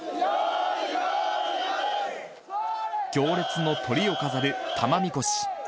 行列のトリを飾る玉神輿。